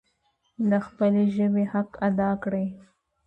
د خپلې ژبي حق ادا کړئ.